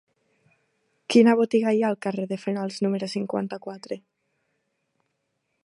Quina botiga hi ha al carrer de Fenals número cinquanta-quatre?